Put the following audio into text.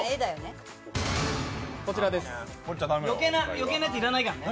余計なやつ要らないからね。